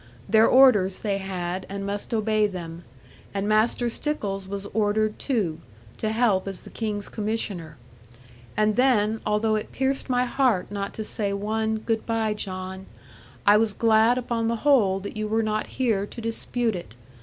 Their orders they had, and must obey them; and Master Stickles was ordered too, to help as the King's Commissioner. And then, although it pierced my heart not to say one "goodbye, John," I was glad upon the whole that you were not here to dispute it.